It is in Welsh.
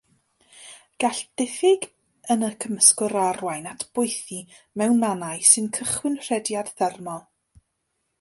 Gall diffyg yn y cymysgwr arwain at boethi mewn mannau, sy'n cychwyn rhediad thermol.